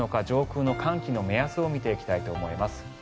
上空の寒気の目安を見ていきたいと思います。